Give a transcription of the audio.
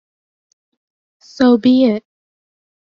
So be it.